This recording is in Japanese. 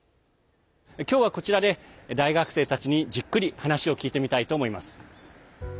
今日は、こちらで大学生たちにじっくり話を聞いてみたいと思います。